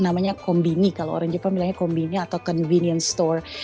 namanya combini kalau orang jepang bilangnya combine atau convenience store